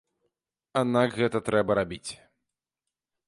Аднак гэта трэба рабіць.